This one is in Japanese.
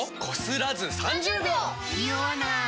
ニオわない！